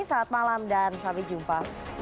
selamat malam dan sampai jumpa